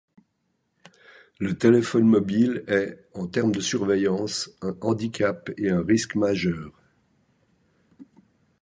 Le téléphone mobile est, en termes de surveillance, un handicap et un risque majeur.